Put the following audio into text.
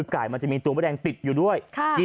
ไก่มันจะมีตัวมะแดงติดอยู่ด้วย